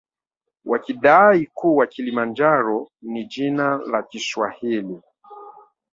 Wakidai kuwa kilimanjaro ni jina la kiswahili